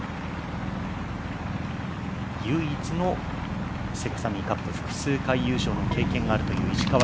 唯一のセガサミーカップ複数回優勝の経験があるという石川遼。